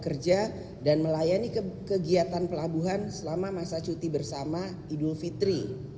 kerja dan melayani kegiatan pelabuhan selama masa cuti bersama idul fitri